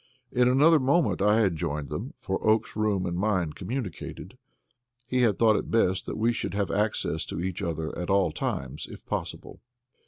In another moment I had joined them, for Oakes's room and mine communicated; he had thought it best that we should have access to each other at all times, if possible.